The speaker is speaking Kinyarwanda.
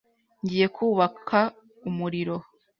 Ngiye kubaka umuriro.